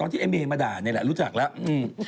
ที่ไอ้เมย์มาด่านี่แหละรู้จักแล้ว